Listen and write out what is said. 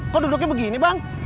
kok duduknya begini bang